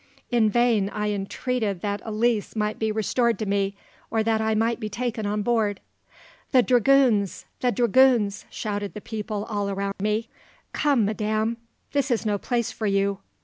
In vain I entreated that Elise might be restored to me, or that I might be taken on board. "`The dragoons! the dragoons!' shouted the people all around me. "`Come, madame, this is no place for you!'